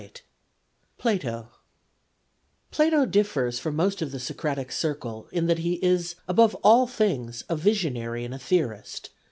— Plato Plato differs from most of the Socratic Circle in that he is, above all things, a visionary and a theorist.